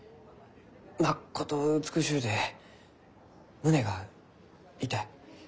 まっこと美しゅうて胸が痛い。